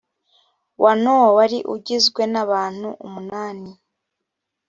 wa nowa wari ugizwe n abantu umunani